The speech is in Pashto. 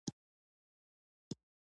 لومړی کلمه رامنځته شي.